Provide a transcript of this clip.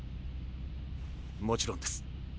もちろんです。